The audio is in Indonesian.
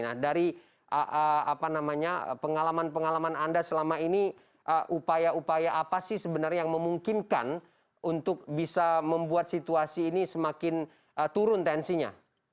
nah dari pengalaman pengalaman anda selama ini upaya upaya apa sih sebenarnya yang memungkinkan untuk bisa membuat situasi ini semakin turun tensinya